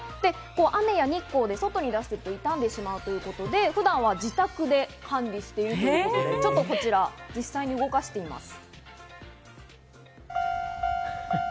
雨や日光で外に出しておくと痛んでしまうということで普段は自宅で管理しているということで、こちら実際に動かしてみます。